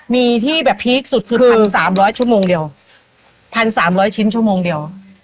มีที่แบบพีคสุดคือ๑๓๐๐ชั่วโมงเดียว๑๓๐๐ชิ้นชั่วโมงเดียว